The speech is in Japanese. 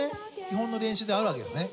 基本の練習であるわけですね。